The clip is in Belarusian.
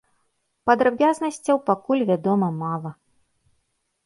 Падрабязнасцяў пакуль вядома мала.